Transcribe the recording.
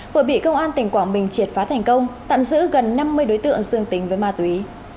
vừa bị công an tỉnh quảng bình triệt phá thành công tạm giữ gần năm mươi đối tượng dương tính với ma túy